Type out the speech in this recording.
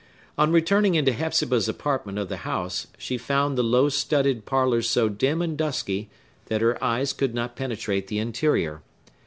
On returning into Hepzibah's apartment of the house, she found the low studded parlor so dim and dusky that her eyes could not penetrate the interior.